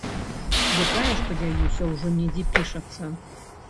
Якая, спадзяюся, ўжо недзе пішацца.